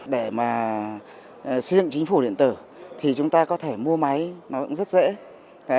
để mà xây dựng chính phủ điện tử thì chúng ta có thể mua máy nó cũng rất dễ